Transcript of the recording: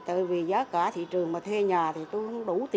tại vì giá cả thị trường mà thuê nhà thì tôi không đủ tiền để trả